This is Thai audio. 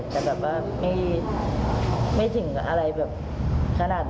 แต่แบบว่าไม่ถึงอะไรแบบขนาดนั้น